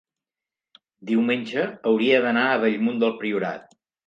diumenge hauria d'anar a Bellmunt del Priorat.